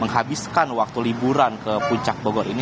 menghabiskan waktu liburan ke puncak bogor ini